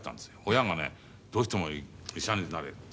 親がねどうしても医者になれって。